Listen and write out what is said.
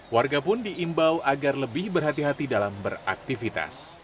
warga pun diimbau agar lebih berhati hati dalam beraktivitas